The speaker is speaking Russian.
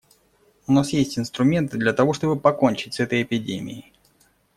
У нас есть инструменты для того, чтобы покончить с этой эпидемией.